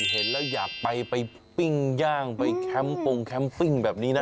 เห็นแล้วอยากไปปิ้งย่างไปแคมปงแคมปิ้งแบบนี้นะ